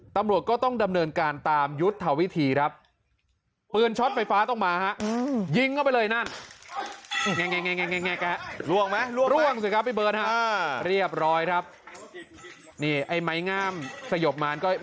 ตำรวจก็ต้องดำเนินการตามยุทธวิธีครับ